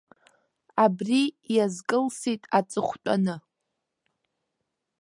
Абри иазкылсит аҵыхәтәаны.